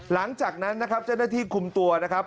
หลังจากนั้นนะครับเจ้าหน้าที่คุมตัวนะครับ